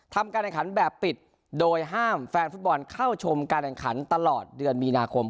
ทำการแข่งขันแบบปิดโดยห้ามแฟนฟุตบอลเข้าชมการแข่งขันตลอดเดือนมีนาคม